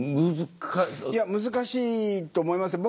難しいと思いますよ。